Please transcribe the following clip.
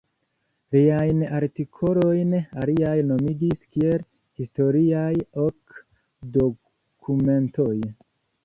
Liajn artikolojn aliaj nomigis kiel Historiaj Ok Dokumentoj.